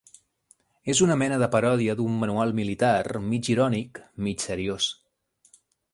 És una mena de paròdia d'un manual militar, mig irònic, mig seriós.